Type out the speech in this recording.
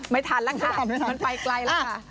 ไม่ทันแล้วค่ะมันไปไกลแล้วค่ะ